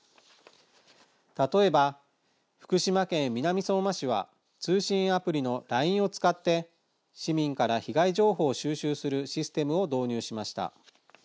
例えば、福島県南相馬市は通信アプリのＬＩＮＥを使って市民から被害情報を収集するシステムを導入しました。